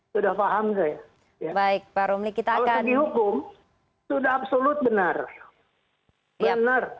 sudah paham saya